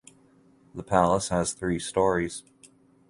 The palace has three stories.